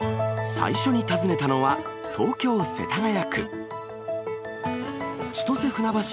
最初に訪ねたのは、東京・世田谷区。